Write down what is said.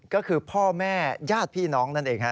ก็คือพ่อแม่ญาติพี่น้องนั่นเองฮะ